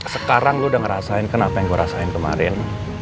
sekarang lo udah ngerasain kenapa yang gue rasain kemarin